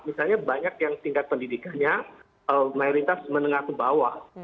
misalnya banyak yang tingkat pendidikannya mayoritas menengah ke bawah